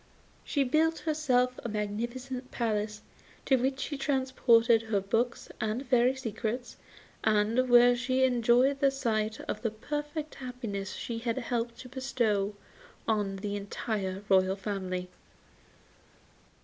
She built herself a magnificent palace, to which she transported her books and fairy secrets, and where she enjoyed the sight of the perfect happiness she had helped to bestow on the entire royal family.